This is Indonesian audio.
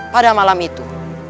pada malam itu